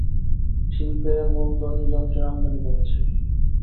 শিল্পে মূলধনি যন্ত্রের আমদানি কমেছে।